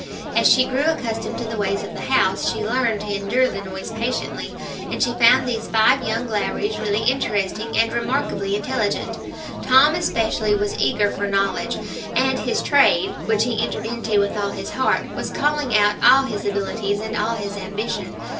As she grew accustomed to the ways of the house, she learned to endure the noise patiently, and she found these five young Lowries really interesting and remarkably intelligent. Tom especially was eager for knowledge, and his trade, which he entered into with all his heart, was calling out all his abilities and all his ambition.